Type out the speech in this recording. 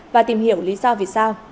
và tìm hiểu lý do vì sao